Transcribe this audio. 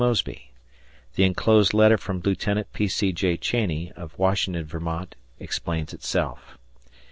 Mosby: The enclosed letter from Lieut. P. C. J. Cheney, of Washington, Vt., explains itself.